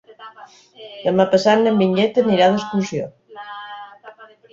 Demà passat na Vinyet anirà d'excursió.